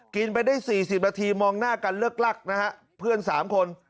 กินไปได้๔๐นาทีมองหน้ากันเลือกลักษณ์นะครับเพื่อนสามคน